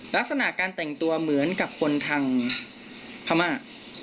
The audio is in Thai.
ลักษณะการแต่งตัวเหมือนกับคนทางพม่า